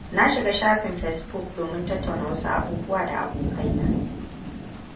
Na shiga shafin facebook domin tattauna wasu abubuwa da abokaina.